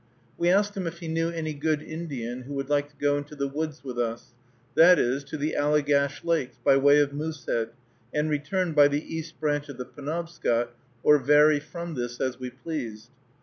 We asked him if he knew any good Indian who would like to go into the woods with us, that is, to the Allegash Lakes, by way of Moosehead, and return by the East Branch of the Penobscot, or vary from this as we pleased.